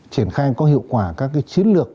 triển khai có hiệu quả các chiến lược